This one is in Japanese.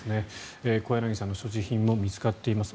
小柳さんの所持品も見つかっています。